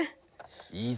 いいぞ